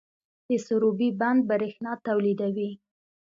د سروبي بند بریښنا تولیدوي